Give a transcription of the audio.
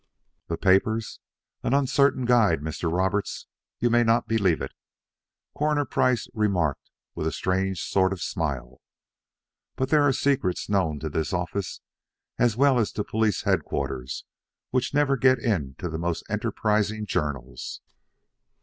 "The papers! An uncertain guide, Mr. Roberts. You may not believe it," Coroner Price remarked with a strange sort of smile, "but there are secrets known to this office, as well as to Police Headquarters, which never get into the most enterprising journals."